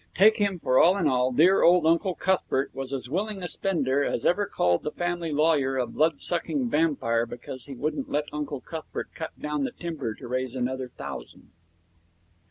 Take him for all in all, dear old Uncle Cuthbert was as willing a spender as ever called the family lawyer a bloodsucking vampire because he wouldn't let Uncle Cuthbert cut down the timber to raise another thousand.